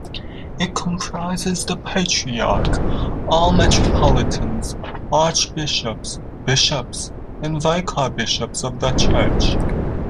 It comprises the Patriarch, all metropolitans, archbishops, bishops and vicar bishops of the church.